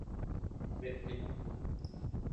¡A ver!, ¡veña!